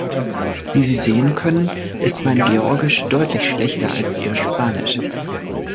Wie Sie sehen können, ist mein Georgisch deutlich schlechter als Ihr Spanisch.